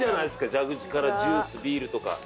蛇口からジュースビールとか。